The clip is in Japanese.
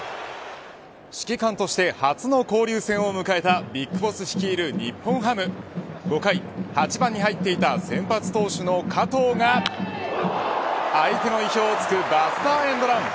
指揮官として初の交流戦を迎えた、ＢＩＧＢＯＳＳ率いる日本ハム。５回８番に入っていた先発投手の加藤が相手の意表を突くバスターエンドラン。